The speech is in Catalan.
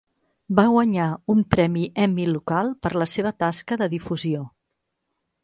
Va guanyar un premi Emmy local per la seva tasca de difusió.